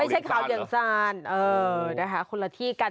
ไม่ใช่ข่าวเหลียงซานเออได้หาคนละที่กัน